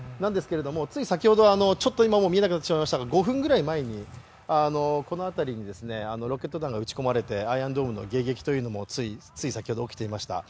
つい先ほど、見えなくなってしまいましたが５分ぐらい前に、この辺りにロケット弾が撃ち込まれて、アイアンドームの迎撃というのもつい先ほど起きていました。